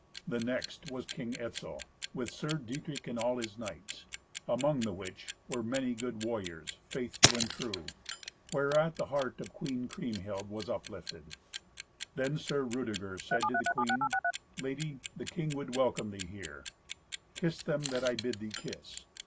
The next was King Etzel, with Sir Dietrich and all his knights, among the which were many good warriors faithful and true; whereat the heart of Queen Kriemhild was uplifted. Then Sir Rudeger said to the queen, "Lady, the king would welcome thee here. Kiss them that I bid thee kiss.